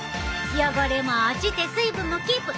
汚れも落ちて水分もキープ！